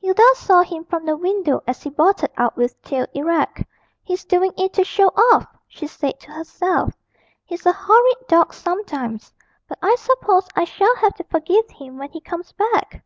Hilda saw him from the window as he bolted out with tail erect. 'He's doing it to show off,' she said to herself; 'he's a horrid dog sometimes. But I suppose I shall have to forgive him when he comes back!'